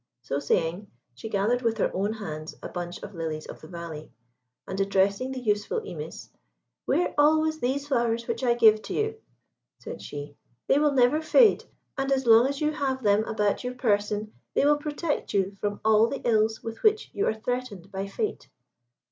So saying, she gathered with her own hands a bunch of lilies of the valley, and addressing the youthful Imis "Wear always these flowers which I give to you," said she; "they will never fade, and as long as you have them about your person, they will protect you from all the ills with which you are threatened by Fate."